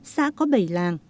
xã có bảy làng